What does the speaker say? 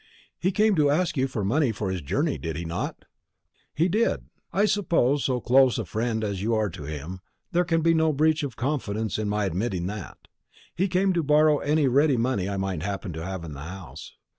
"He came to ask you for money for his journey, did he not?" "He did. I suppose to so close a friend as you are to him, there can be no breach of confidence in my admitting that. He came to borrow any ready money I might happen to have in the house.